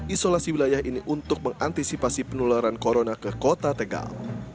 isolasi wilayah ini untuk mengantisipasi penularan corona ke kota tegal